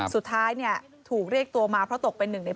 สุดท้ายเนี่ยถูกเรียกตัวมาเพราะตกเป็นหนึ่งใน